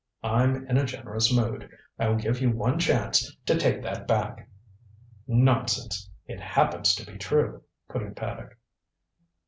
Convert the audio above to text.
I'm in a generous mood. I'll give you one chance to take that back " "Nonsense. It happens to be true " put in Paddock.